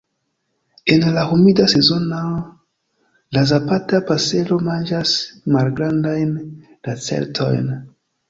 En la humida sezono la Zapata pasero manĝas malgrandajn lacertojn.